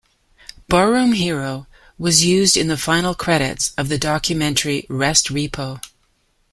"Barroom Hero" was used in the final credits of the documentary "Restrepo".